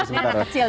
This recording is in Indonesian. ini anak kecil